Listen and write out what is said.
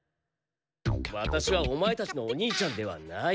ワタシはオマエたちのお兄ちゃんではない。